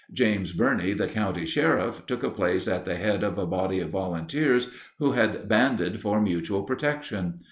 James Burney, the county sheriff, took a place at the head of a body of volunteers who had banded for mutual protection.